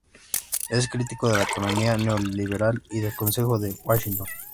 Es crítico de la economía neoliberal y del Consenso de Washington.